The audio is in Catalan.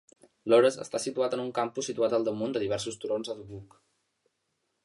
Loras està situat en un campus situat al damunt de diversos turons de Dubuque.